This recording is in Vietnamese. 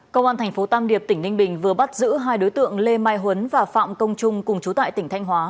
công an thành phố tam điệp tỉnh ninh bình vừa bắt giữ hai đối tượng lê mai huấn và phạm công trung cùng chú tại tỉnh thanh hóa